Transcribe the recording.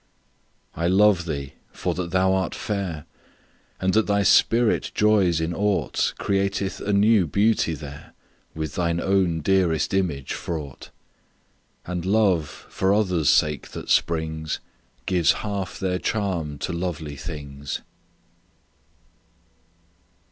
I love thee for that thou art fair; And that thy spirit joys in aught Createth a new beauty there, With throe own dearest image fraught; And love, for others' sake that springs, Gives half their charm to lovely things.